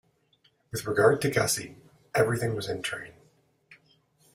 With regard to Gussie, everything was in train.